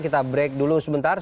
kita break dulu sebentar